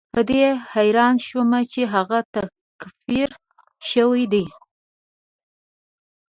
په دې حیران شوم چې هغه تکفیر شوی دی.